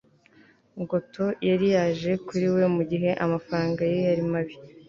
ngotho yari yaje kuri we mugihe amafaranga ye yari mabi